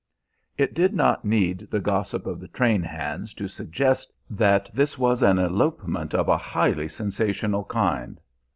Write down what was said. "It did not need the gossip of the train hands to suggest that this was an elopement of a highly sensational kind.